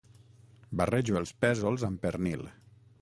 Barrejo els pèsols amb pernil.